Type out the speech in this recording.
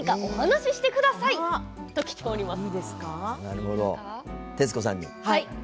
なるほど、徹子さんに。